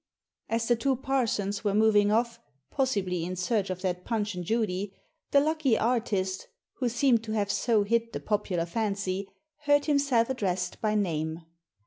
As the two parsons were moving off— possibly in search of that Punch and Judy — the lucky artist, who seemed to have so hit the popular fancy, heard himself addressed by name.